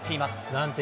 なんて